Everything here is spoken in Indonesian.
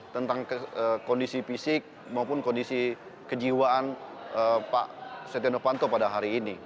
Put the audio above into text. tentang kondisi fisik maupun kondisi kejiwaan pak setia novanto pada hari ini